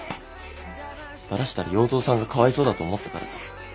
バラしたら要造さんがかわいそうだと思ったからだ。